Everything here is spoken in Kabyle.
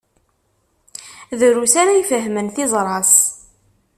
Drus ara ifehmen tiẓra-s.